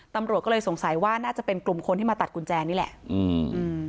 ตำรวจก็เลยสงสัยว่าน่าจะเป็นกลุ่มคนที่มาตัดกุญแจนี่แหละอืมอืม